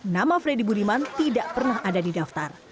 nama freddy budiman tidak pernah ada di daftar